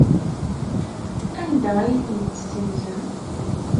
Anda ay ten-tessenzem?